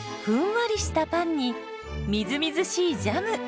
ふんわりしたパンにみずみずしいジャム。